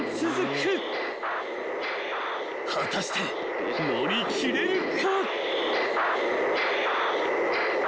［果たして乗り切れるか］